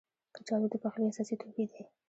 کچالو د پخلي اساسي توکي دي